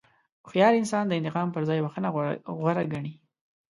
هوښیار انسان د انتقام پر ځای بښنه غوره ګڼي.